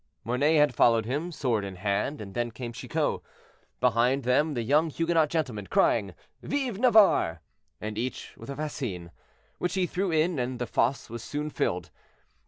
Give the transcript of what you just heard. Mornay had followed him, sword in hand, and then came Chicot; behind them the young Huguenot gentlemen, crying, "Vive Navarre!" and each with a fascine, which he threw in, and the fosse was soon filled.